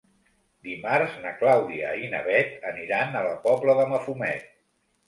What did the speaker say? Dimarts na Clàudia i na Bet aniran a la Pobla de Mafumet.